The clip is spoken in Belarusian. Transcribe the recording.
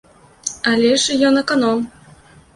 Але ж, ён, аканом.